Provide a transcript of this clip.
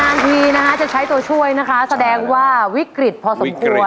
นาทีนะคะจะใช้ตัวช่วยนะคะแสดงว่าวิกฤตพอสมควร